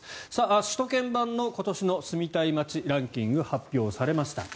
首都圏版の今年の住みたい街ランキング発表されました。